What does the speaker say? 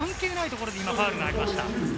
ボールの関係ないところでファウルがありました。